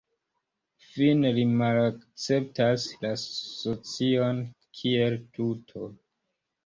Fine, li malakceptas la socion kiel tuto.